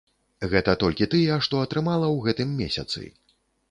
Гэта толькі тыя, што атрымала ў гэтым месяцы!